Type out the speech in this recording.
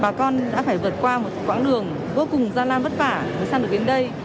bà con đã phải vượt qua một quãng đường vô cùng gian lan vất vả để sang được đến đây